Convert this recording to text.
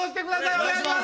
お願いします